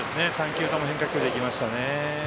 ３球とも変化球で来ましたね。